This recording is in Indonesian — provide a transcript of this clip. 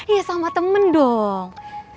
ya sama temen dong